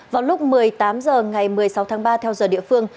vào lúc một mươi tám h ngày một mươi sáu tháng ba theo giờ địa phương